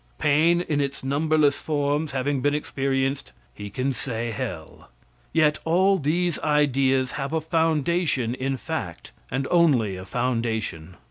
Pain, in its numberless forms, having been experienced, he can say, hell. Yet all these ideas have a foundation in fact, and only a foundation.